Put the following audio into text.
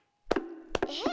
えっ？